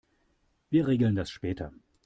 Wir regeln das später.